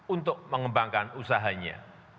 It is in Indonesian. untuk mengembangkan usahanya